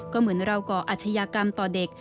ก็เหมือนเราก่ออาชญากรรมต่อเด็ก